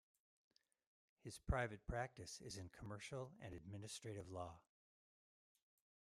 His private practice is in commercial and administrative law.